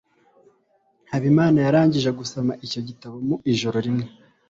Habimana yarangije gusoma icyo gitabo mu ijoro rimwe.